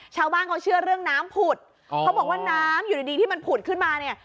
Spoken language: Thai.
ชาวบ้านเขาเชื่อเรื่องน้ำผุดเขาบอกว่าน้ำอยู่ดีดีที่มันผุดขึ้นมาเนี่ย